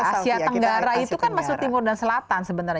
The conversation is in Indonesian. asia tenggara itu kan masuk timur dan selatan sebenarnya